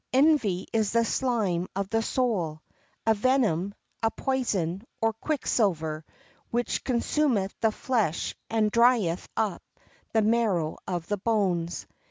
Envy is the slime of the soul, a venom, a poison or quicksilver, which consumeth the flesh and dryeth up the marrow of the bones.